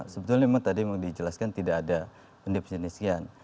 sebetulnya memang tadi mau dijelaskan tidak ada pendepes jenisnya